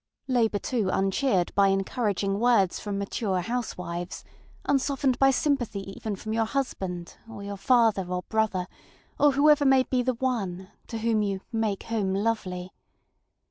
Labor, too, uncheered by encouraging words from mature housewives, unsoftened by sympathy even from your husband, or your father or brother, or whoever may be the ŌĆ£oneŌĆØ to whom you ŌĆ£make home lovely.